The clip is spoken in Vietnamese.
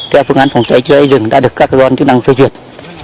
theo phương án phòng cháy chữa cháy rừng đã được các cơ quan chức năng phê duyệt